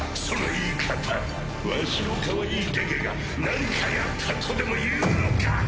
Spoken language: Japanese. その言い方わしのかわいいゲゲが何かやったとでも言うのか！